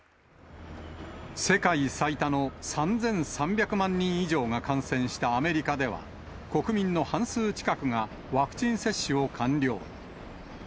世界最多の３３００万人以上が感染したアメリカでは、国民の半数近くがワクチン接種を完了。